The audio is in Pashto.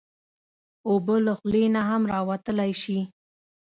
اوبه له خولې نه هم راوتلی شي.